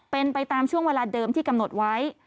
เป็นไปตามช่วงเวลาเดิมที่กำหนดไว้